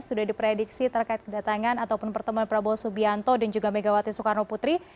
sudah diprediksi terkait kedatangan ataupun pertemuan prabowo subianto dan juga megawati soekarno putri